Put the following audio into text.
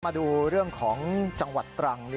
มาดูเรื่องของจังหวัดตรัง